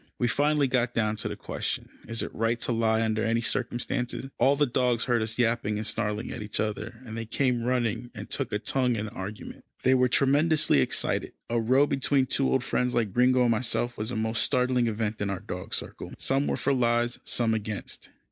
We finally got down to the question, is it right to lie under any circumstances? All the dogs heard us yapping and snarling at each other, and they came running, and took a tongue in the argument. They were tremendously excited. A row between two old friends like Gringo and myself was a most startling event in our dog circle. Some were for lies, some against.